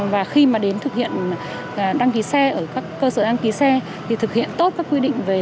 và khi mà đến thực hiện đăng ký xe ở các cơ sở đăng ký xe thì thực hiện tốt các quy định về